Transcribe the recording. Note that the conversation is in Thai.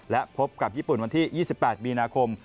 และพบกับญี่ปุ่นวันที่๒๘มีนาคม